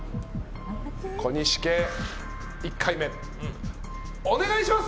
小西家、１回目お願いします。